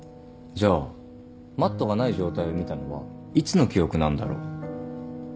じゃあマットがない状態を見たのはいつの記憶なんだろう。